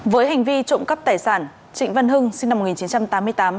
với hành vi trộm cắp tài sản trịnh văn hưng sinh năm một nghìn chín trăm tám mươi tám